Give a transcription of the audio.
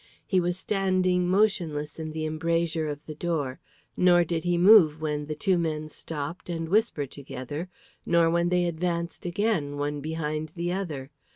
He was standing motionless in the embrasure of the door, nor did he move when the two men stopped and whispered together, nor when they advanced again, one behind the other.